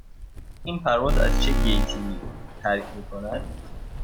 این پرواز از چه گیتی ترک می کند؟